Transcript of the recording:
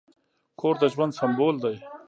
کور د ژوند سمبول دی.